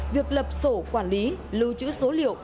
việc lập sổ quản lý lưu trữ số liệu